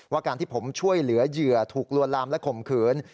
การที่ผมช่วยเหลือเหยื่อถูกลวนลามและข่มขืน